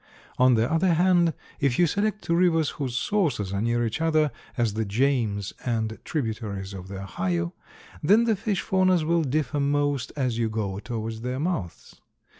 On the other hand, if you select two rivers whose sources are near each other, as the James and tributaries of the Ohio, then the fish faunas will differ most as you go towards their mouths.